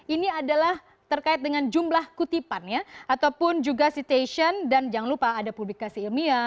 ini adalah terkait dengan jumlah kutipan ya ataupun juga citation dan jangan lupa ada publikasi ilmiah